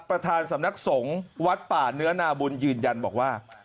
ประธานสำนักสงฆ์วัดป่าเนื้อนาบุญยืนยันบอกว่า